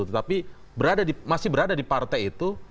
tetapi masih berada di partai itu